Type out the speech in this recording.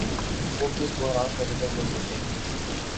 وہ کس بحران کا ذکر کرسکتے ہیں؟